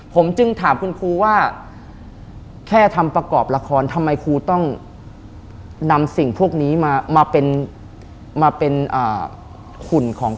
ผมจึงถามคุณครูว่าแค่ทำประกอบละครทำไมครูต้องนำสิ่งพวกนี้มาเป็นมาเป็นหุ่นของ